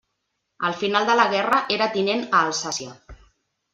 Al final de la guerra era tinent a Alsàcia.